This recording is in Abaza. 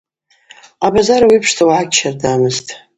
Абазар ауи апшта уагӏа гьщардамызтӏ.